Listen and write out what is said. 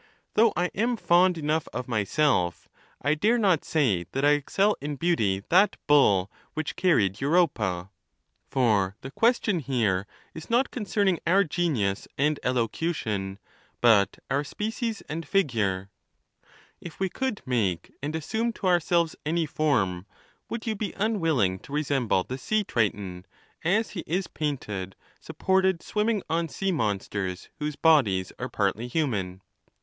though I am fond enough of myself, I dare not say that I excel in beauty that bull which carried Europa. For the ques THE NATURE OP THE GODS. 237 tioii here is not concerning onv genius and elocntion, but our species and figure. If we could malie and assume to ourselves any form, would you be unwilling to resemble the sea triton as he is painted supported swimming on sea monsters whose bodies are partly human?